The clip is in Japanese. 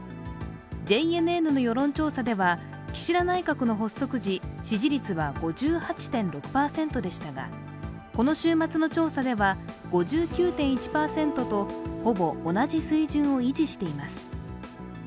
ＪＮＮの世論調査では岸田内閣の発足時支持率は５８．６％でしたがこの週末の調査では５９．１％とほぼ同じ水準を維持しています。